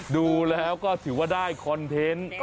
ดูแล้วก็ถือว่าได้คอนเทนต์